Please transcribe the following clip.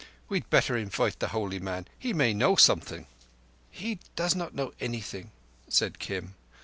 We'd better invite the holy man. He may know something." "He does not know anything," said Kim.